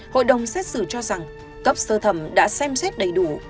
hội đồng xét xử cho rằng cấp sơ thẩm đã xem xét đầy đủ